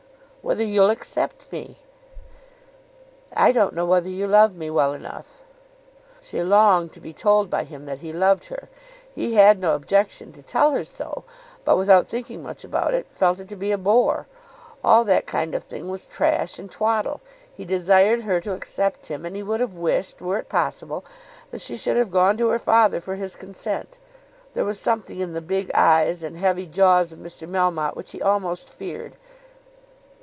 "Whether you'll accept me?" "I don't know whether you love me well enough." She longed to be told by him that he loved her. He had no objection to tell her so, but, without thinking much about it, felt it to be a bore. All that kind of thing was trash and twaddle. He desired her to accept him; and he would have wished, were it possible, that she should have gone to her father for his consent. There was something in the big eyes and heavy jaws of Mr. Melmotte which he almost feared.